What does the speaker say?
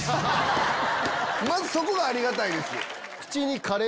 そこがありがたいです。